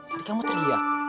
tadi kamu teriak